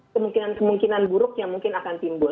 kemungkinan kemungkinan buruk yang mungkin akan timbul